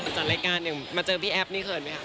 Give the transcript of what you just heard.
จัดรายการหนึ่งมาเจอพี่แอฟนี่เขินไหมคะ